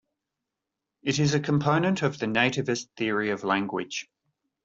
It is a component of the nativist theory of language.